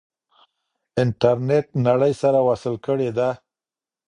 انټرنیټ نړۍ سره وصل کړې ده.